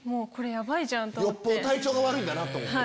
よっぽど体調が悪いんだなと思って。